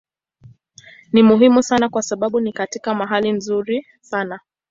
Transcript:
Ni muhimu sana kwa sababu ni katika mahali nzuri sana.